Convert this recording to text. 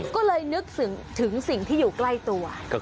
ก็เลยนึกถึงสิ่งที่อยู่ใกล้ตัว